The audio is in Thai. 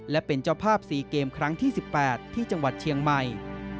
และเป็นเจ้าภาพ๔เกมครั้งที่๑๘ที่จังหวัดเชียงใหม่